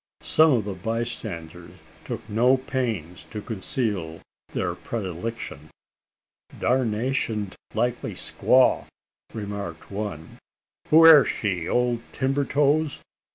Some of the bystanders took no pains to conceal their predilection. "Darnationed likely squaw!" remarked one. "Who air she, old timber toes?"